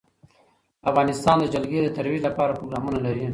افغانستان د جلګه د ترویج لپاره پروګرامونه لري.